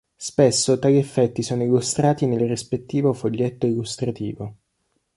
Spesso tali effetti sono illustrati nel rispettivo foglietto illustrativo.